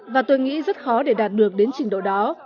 và tôi nghĩ rất khó để đạt được đến trình độ đó